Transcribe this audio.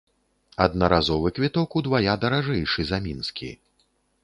Аднаразовы квіток удвая даражэйшы за мінскі.